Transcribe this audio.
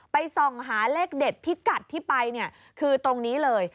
ส่องหาเลขเด็ดพิกัดที่ไปเนี่ยคือตรงนี้เลย